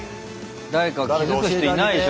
誰か気付く人いないでしょ